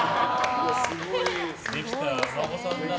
できたお孫さんだ。